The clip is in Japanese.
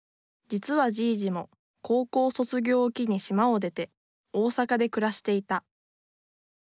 実はじいじも高校卒業を機に島を出て大阪で暮らしていた。